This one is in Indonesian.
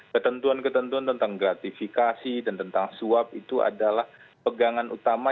ketentuan ketentuan tentang gratifikasi dan tentang suap itu adalah pegangan utama